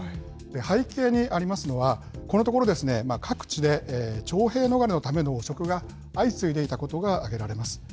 背景にありますのは、このところ各地で徴兵逃れのための汚職が相次いでいたことが挙げられます。